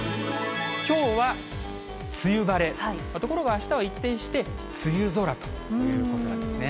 きょうは梅雨晴れ、ところがあしたは一転して梅雨空ということなんですね。